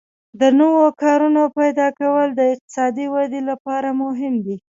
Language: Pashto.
د نوو کارونو پیدا کول د اقتصادي ودې لپاره مهم دي.